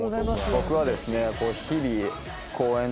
僕はですね